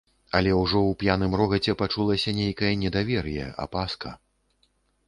Але ўжо ў п'яным рогаце пачулася нейкае недавер'е, апаска.